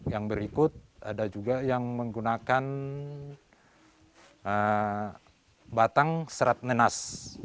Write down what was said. yang berikut ada juga yang menggunakan batang serat nenas